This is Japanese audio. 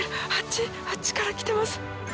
あっちから来てます。